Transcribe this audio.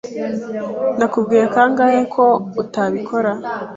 Nakubwiye kangahe ko utabikora?